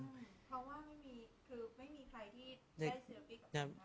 ไม่มีใครที่ได้เซอร์ฟิกกับอะไร